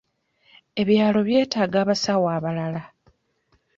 Ebyalo byetaaga abasawo abalala.